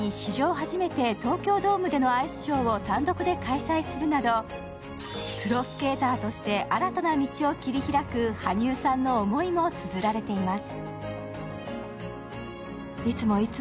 初めて東京ドームでのアイスショーを単独で開催するなどプロスケーターとして新たな道を切り開く羽生さんの思いもつづられています。